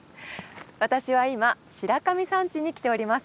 私は今白神山地に来ております。